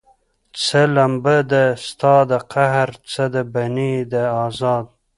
څه لمبه ده ستا د قهر، څه د بني د ازاره